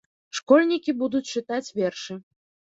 Школьнікі будуць чытаць вершы.